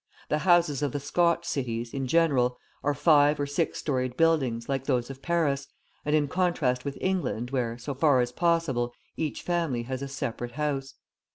The houses of the Scotch cities, in general, are five or six storied buildings, like those of Paris, and in contrast with England where, so far as possible, each family has a separate house.